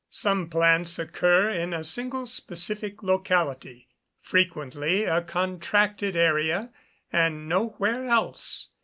Some plants occur in a single specific locality, frequently a contracted area, and nowhere else.